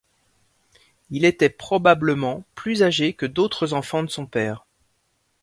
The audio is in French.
Il était probablement plus âgé que d'autres enfants de son père.